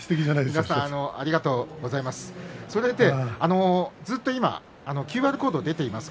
ちょっと今ＱＲコードが出ています。